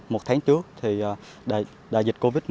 một tháng trước đại dịch covid một mươi chín